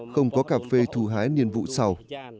không có cà phê thu hái niên vụ xào